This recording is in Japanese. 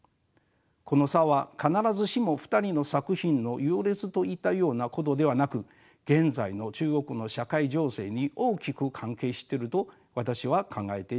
この差は必ずしも２人の作品の優劣といったようなことではなく現在の中国の社会情勢に大きく関係してると私は考えています。